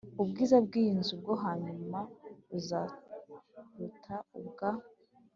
Ubwiza bw iyi nzu bwo hanyuma buzaruta ubwa